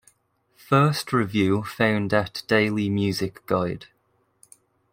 First review found at Daily Music Guide.